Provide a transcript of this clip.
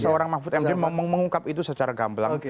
seorang mahfud md mengungkap itu secara gamblang